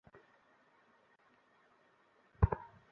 এরকম অপমান সয়েও কি আমার মাথা নত করব?